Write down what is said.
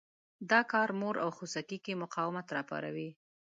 دا کار په مور او خوسکي کې مقاومت را پاروي.